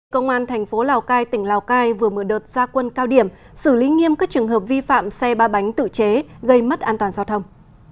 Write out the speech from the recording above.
công an thành phố lào cai tỉnh lào cai vừa mở đợt gia quân cao điểm xử lý nghiêm các trường hợp vi phạm xe ba bánh tự chế gây mất an toàn giao thông